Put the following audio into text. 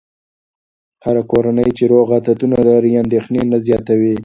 هره کورنۍ چې روغ عادتونه لري، اندېښنې نه زیاتوي.